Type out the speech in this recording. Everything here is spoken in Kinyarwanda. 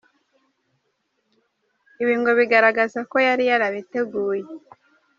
Ibi ngo bigaragaza ko yari yarabiteguye.